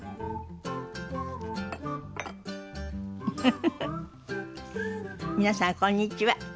フフフフ皆さんこんにちは。